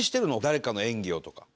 誰かの演技をとか。